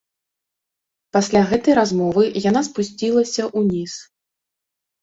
Пасля гэтай размовы яна спусцілася ўніз.